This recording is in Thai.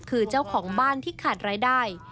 คือเจ้าของบ้านที่ขาดรายได้